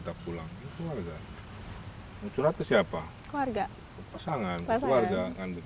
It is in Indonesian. ke pasangan keluarga